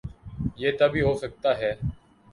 یہ تب ہی ہو سکتا ہے۔